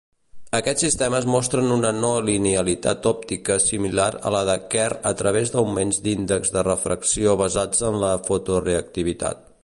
Aquests sistemes mostren una no linealitat òptica similar a la de Kerr a través d'augments d'índex de refracció basats en la fotoreactivitat.